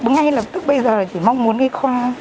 ngay lập tức bây giờ là chỉ mong muốn cái khoa